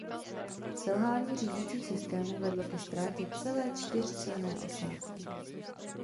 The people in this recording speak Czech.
Selhání řídících systémů vedlo ke ztrátě celé čtyřčlenné osádky.